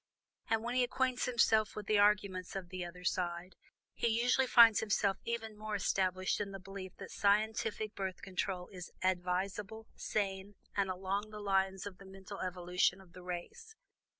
And, when he acquaints himself with the arguments of "the other side" he usually finds himself even more established in the belief that scientific Birth Control is advisable, sane, and along the lines of the mental evolution of the race.